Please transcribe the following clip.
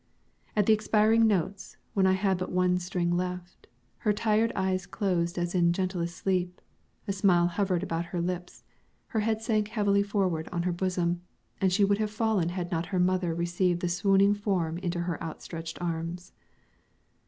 At the expiring notes, when I had but one string left, her tired eyes closed as in gentlest sleep, a smile hovered about her lips, her head sank heavily forward on her bosom, and she would have fallen had not her mother received the swooning form into her outstretched arms.